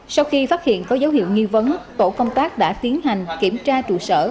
sau khi phát hiện có dấu hiệu nghi vấn tổ công tác đã tiến hành kiểm tra trụ sở